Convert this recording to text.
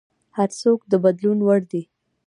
هر څوک د بدلون وړ دی.